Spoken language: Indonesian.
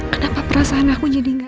kenapa perasaan aku jadi enggak